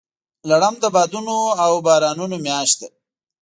لړم د بادونو او بارانونو میاشت ده.